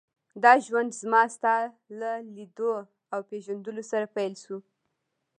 دا ژوند زما ستا له لیدو او پېژندلو سره پیل شو.